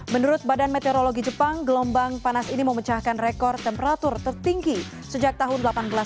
menurut badan meteorologi jepang gelombang panas ini memecahkan rekor temperatur tertinggi sejak tahun seribu delapan ratus delapan puluh